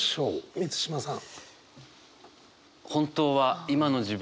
満島さん。